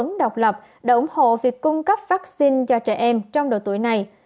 tổng thống độc lập đã ủng hộ việc cung cấp vaccine cho trẻ em trong độ tuổi này